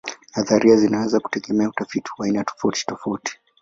Nadharia zinaweza kutegemea utafiti wa aina tofautitofauti.